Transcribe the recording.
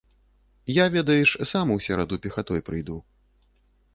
Я, ведаеш, сам у сераду пехатой прыйду.